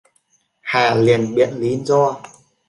Hà liền biện lý do